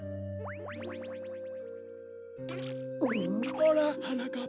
ほらはなかっぱ。